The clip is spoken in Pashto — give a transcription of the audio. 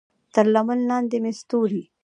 تر لمن لاندې مې ستوري